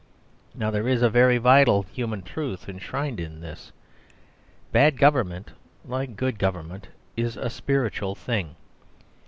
Now there is a very vital human truth enshrined in this. Bad government, like good government, is a spiritual thing.